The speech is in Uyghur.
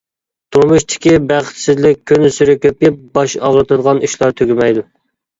تۇرمۇشتىكى بەختسىزلىك كۈنسېرى كۆپىيىپ، باش ئاغرىتىدىغان ئىشلار تۈگىمەيدۇ.